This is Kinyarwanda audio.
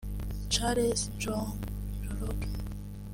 Charles Njoroge